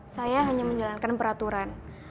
saya hanya menjalankan peraturan